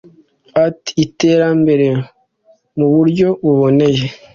kandi itere imbere mu buryo buboneye